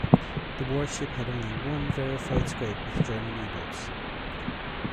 The warship had only one verified scrape with German U-boats.